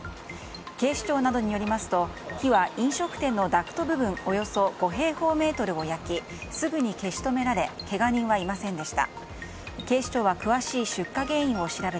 警視庁などによりますと火は飲食店のダクト部分およそ５平方メートルを焼きすぐに消し止められけが人はいませんでした。